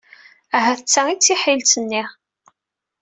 Ahat d ta i d tiḥilet-nni.